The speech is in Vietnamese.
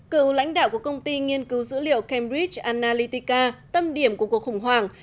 cựu lãnh đạo của công ty nghiên cứu dữ liệu cambridge analytica tâm điểm của cuộc khủng hoảng